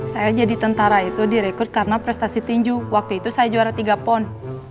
saya jadi tentara itu direkrut karena prestasi tinju waktu itu saya juara tiga pon